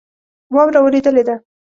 واوره اوریدلی ده